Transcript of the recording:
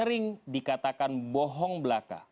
kelenik ini dikatakan bohong belaka